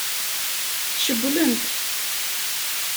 Cewwlen-t.